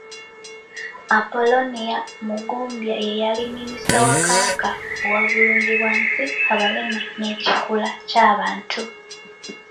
Apolonia Mugumbya ye yali minisita wa Kabaka owa bulungi bwansi, abalema n'ekikula ky'abantu.